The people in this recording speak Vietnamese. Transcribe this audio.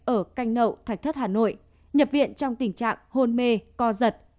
ở canh nậu thạch thất hà nội nhập viện trong tình trạng hôn mê co giật